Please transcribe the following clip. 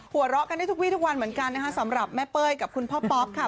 หัวเราะกันได้ทุกวีทุกวันเหมือนกันนะคะสำหรับแม่เป้ยกับคุณพ่อป๊อปค่ะ